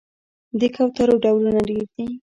د کوترو ډولونه ډیر دي